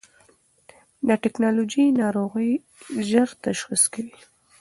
دا ټېکنالوژي ناروغي ژر تشخیص کوي.